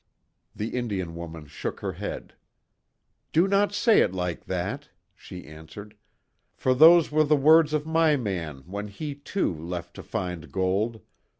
The Indian woman shook her head: "Do not say it like that," she answered, "For those were the words of my man when he, too, left to find gold.